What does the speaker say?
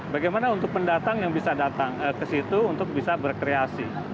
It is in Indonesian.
bagaimana untuk pendatang yang bisa datang ke situ untuk bisa berkreasi